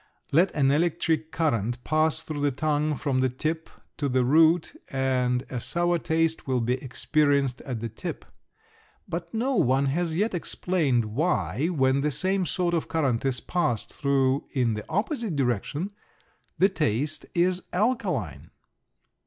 Let an electric current pass through the tongue from the tip to the root and a sour taste will be experienced at the tip. But no one has yet explained why when the same sort of current is passed through in the opposite direction the taste is alkaline.